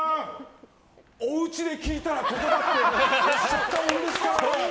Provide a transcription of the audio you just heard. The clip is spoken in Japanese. おうちで聞いたら、ここだっておっしゃったものですからって。